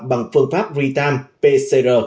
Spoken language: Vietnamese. bằng phương pháp ritam pcr